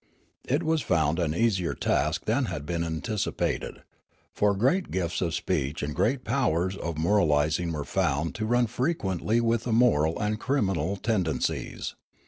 It was found an easier task than had been anticipated. For great gifts of speech and great powers of moralising were found to run frequentl}' with immoral and criminal tendencies.